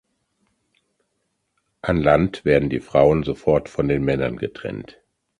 An Land werden die Frauen sofort von den Männern getrennt.